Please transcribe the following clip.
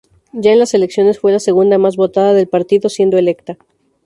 Ya en las elecciones, fue la segunda más votada del partido, siendo electa.